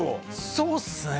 そうですね。